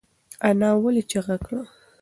انا ولې چیغه کړه؟